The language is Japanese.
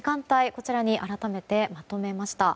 こちらに改めてまとめました。